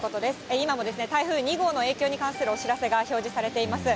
今も台風２号の影響に関するお知らせが表示されています。